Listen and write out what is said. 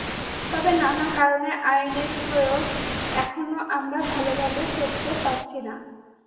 তবে নানা কারণে আইনের প্রয়োগ এখনো আমরা ভালোভাবে করতে পারছি না।